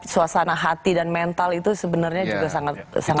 suasana hati dan mental itu sebenernya juga sangat penting ya